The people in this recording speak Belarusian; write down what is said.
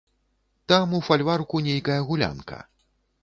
Там у фальварку нейкая гулянка.